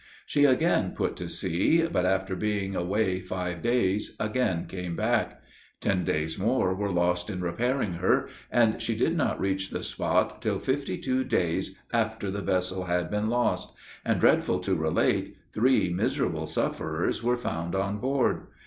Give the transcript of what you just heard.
She again put to sea, but after being away five days, again came back. Ten days more were lost in repairing her; and she did not reach the spot till fifty two days after the vessel had been lost; and dreadful to relate, three miserable sufferers were found on board.